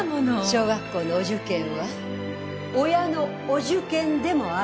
小学校のお受験は親のお受験でもあるのです。